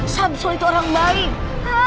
samsul itu orang baik